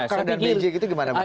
makar dan beijing itu gimana